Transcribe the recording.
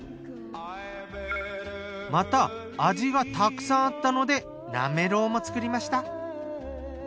またアジがたくさんあったのでなめろうも作りました。